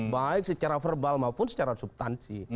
baik secara verbal maupun secara subtansi